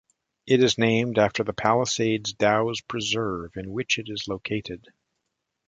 It is named after the Palisades-Dows Preserve in which it is located.